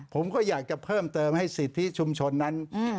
ผมก็อยากจะเพิ่มเติมให้สิทธิชุมชนนั้น